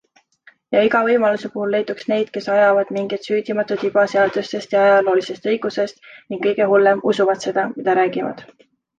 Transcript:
Ja iga võimaluse puhul leiduks neid, kes ajavad mingit süüdimatut iba seadustest ja ajaloolisest õigusest ning kõige hullem - usuvad seda, mida räägivad.